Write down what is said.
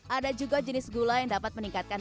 ada juga jenis gula yang dapat meningkatkan